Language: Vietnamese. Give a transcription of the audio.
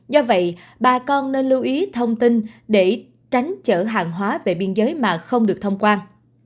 do vậy bà con nên lưu ý thông tin để tránh chở hàng hóa về biên giới mà không được thông quan